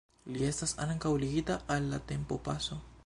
Li estas ankaŭ ligita al la tempopaso.